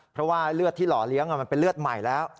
เพราะว่าเลือดที่หล่อเลี้ยงมันเป็นเลือดใหม่แล้ว